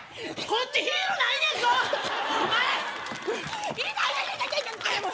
こっちヒールないねんぞお前！